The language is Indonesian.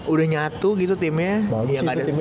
udah nyatu gitu timnya